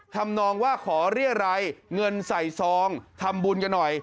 ทำนองว่าขอเรียรัยเงินใส่ซองทำบุญกันหน่อย